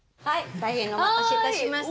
大変お待たせいたしました。